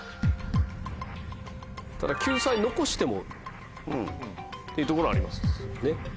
ただ救済残してもっていうところはありますね。